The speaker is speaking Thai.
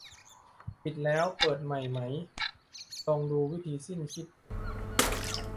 ปิดแล้วเปิดใหม่ไหม ลองดู วิธีสิ้นคิด